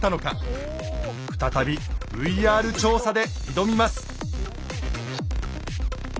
再びＶＲ調査で挑みます。